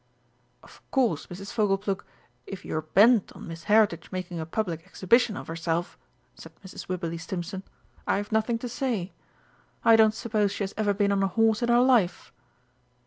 "Of course, Mrs. Fogleplug, if you're bent on Miss Heritage making a public exhibition of herself," said Mrs. Wibberley Stimpson, "I have nothing to say. I don't suppose she has ever been on a horse in her life!"